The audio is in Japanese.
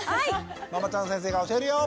ママちゃん先生が教えるよ！